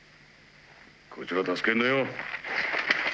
こいつら助けんだよ。